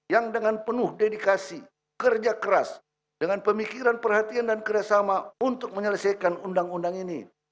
yang dengan penuh dedikasi kerja keras dengan pemikiran perhatian dan kerjasama untuk menyelesaikan undang undang ini